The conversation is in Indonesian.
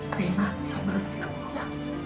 terima kasih sama semua